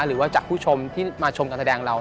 หรือว่าจากผู้ชมที่มาชมการแสดงเรา